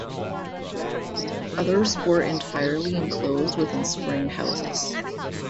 Others were entirely enclosed within spring houses.